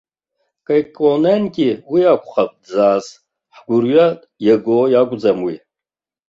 Кекконенгьы уи акәхап дзааз, ҳгәырҩа иаго иакәӡам уи.